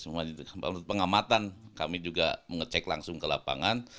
menurut pengamatan kami juga mengecek langsung ke lapangan